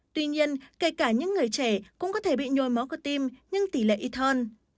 tuy nhiên kể cả những người trẻ cũng có thể bị nhồi máu cơ tim nhưng tỷ lệ ít thon